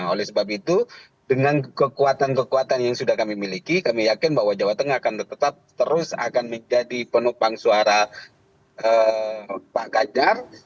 oleh sebab itu dengan kekuatan kekuatan yang sudah kami miliki kami yakin bahwa jawa tengah akan tetap terus akan menjadi penopang suara pak ganjar